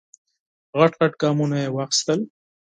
غټ غټ ګامونه یې واخیستل.